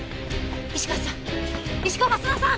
石川さん！